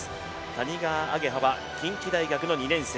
谷川亜華葉は近畿大学の２年生。